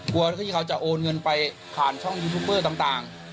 ที่เขาจะโอนเงินไปผ่านช่องยูทูปเบอร์ต่าง